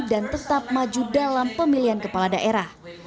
dan tetap maju dalam pemilihan kepala daerah